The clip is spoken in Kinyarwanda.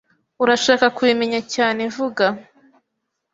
Urashaka kubimenya cyane vuga